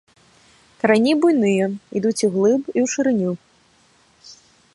Карані буйныя, ідуць углыб і ў шырыню.